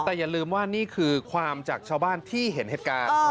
แต่อย่าลืมว่านี่คือความจากชาวบ้านที่เห็นเหตุการณ์